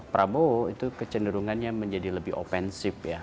prabowo itu kecenderungannya menjadi lebih opensif